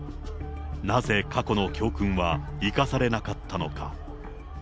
なぜ過去の教訓は生かされなかったのか。